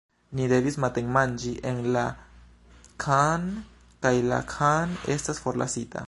Ni devis matenmanĝi en la khan kaj la khan estas forlasita!